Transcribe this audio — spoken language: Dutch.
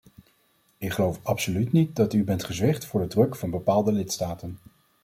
Ik geloof absoluut niet dat u bent gezwicht voor de druk van bepaalde lidstaten.